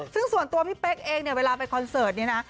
ซึ่งส่วนตัวพี่เป๊กเองเนี่ยเวลาไปคอนเสิร์ตนี้นะ